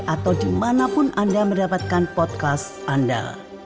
atau dimanapun anda mendapatkan podcast anda